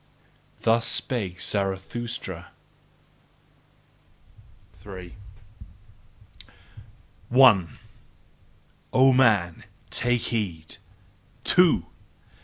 Thus spake Zarathustra. 3. One! O man! Take heed! _Two!